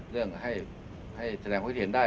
เรื่องให้แสดงความคิดเห็นได้